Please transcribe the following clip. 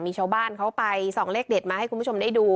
มีชาวบ้านเขาไปส่องเลขเด็ดมาให้คุณผู้ชมได้ดู